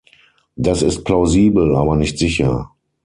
Das ist plausibel, aber nicht sicher.